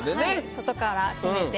外からせめて。